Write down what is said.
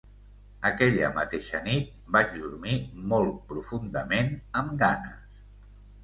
Aquella mateixa nit vaig dormir molt profundament, amb ganes.